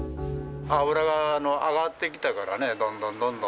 油が上がってきたからね、どんどんどんどん。